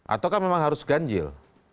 atau memang harus ganjil